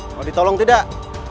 mau ditolong tidak